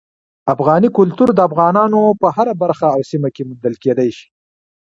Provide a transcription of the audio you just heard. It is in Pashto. افغاني کلتور د افغانستان په هره برخه او سیمه کې موندل کېدی شي.